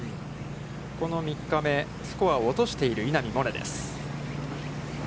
この３日目、スコアを落としている、稲見萌寧です。